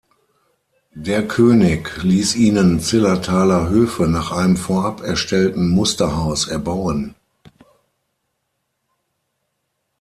Der König ließ ihnen Zillertaler Höfe nach einem vorab erstellten Musterhaus erbauen.